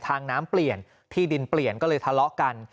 ทางน้ำเปลี่ยนที่ดินเปลี่ยนก็เลยทะเลาะกัน